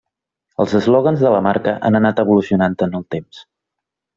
Els eslògans de la marca han anat evolucionant en el temps.